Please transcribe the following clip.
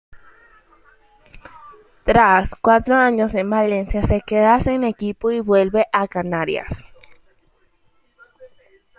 Tras cuatro años en Valencia, se queda sin equipo y vuelve a Canarias.